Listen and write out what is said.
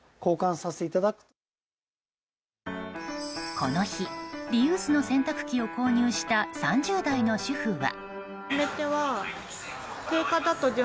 この日、リユースの洗濯機を購入した３０代の主婦は。